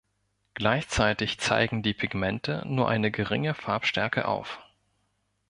Gleichzeitig zeigen die Pigmente nur eine geringe Farbstärke auf.